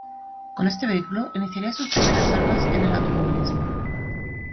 Con este vehículo iniciaría sus primeras armas en el automovilismo.